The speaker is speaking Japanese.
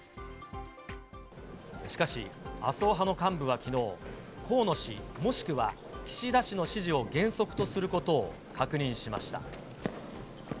しかし、麻生派の幹部はきのう、河野氏、もしくは岸田氏の支持を原則とすることを確認しました。